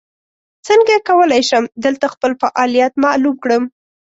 څنګه کولی شم دلته خپل فعالیت معلوم کړم ؟